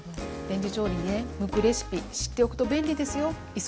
レンジ調理にね向くレシピ知っておくと便利ですよ！